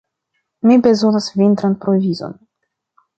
Mi bezonas vintran provizon.